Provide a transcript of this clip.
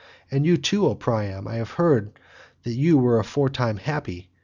And you too, O Priam, I have heard that you were aforetime happy.